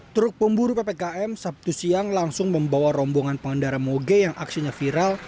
truk pemburu ppkm sabtu siang langsung membawa rombongan pengendara moge yang aksinya viral